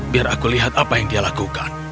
biar aku lihat apa yang dia lakukan